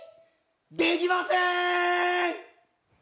できませーん！